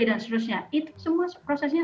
dan seterusnya itu semua prosesnya